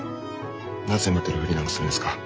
なぜ迷ってるふりなんかするんですか？